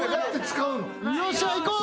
よっしゃ行こう！